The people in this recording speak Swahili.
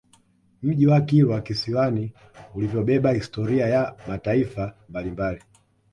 Mji wa Kilwa Kisiwani ulivyobeba historia ya mataifa mbalimbali